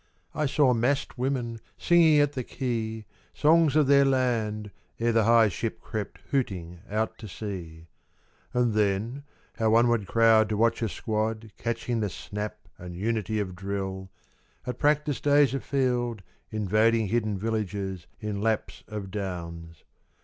I saw Massed women singing at the quay Songs of their land, ere the high ship Crept hooting out to sea. And then How one would crowd to watch a squad Catching the snap and unity Of drill, at practice days afield Invading hidden villages In laps of downs.